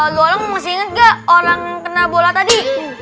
lu orang masih inget gak orang kena bola tadi